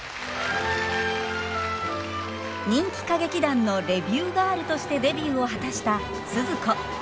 人気歌劇団のレビューガールとしてデビューを果たしたスズ子。